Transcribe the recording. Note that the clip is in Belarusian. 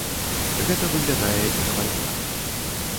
Гэта выглядае як вайна.